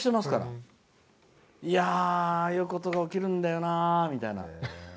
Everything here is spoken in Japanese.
ああいうことが起きるんだよなみたいな。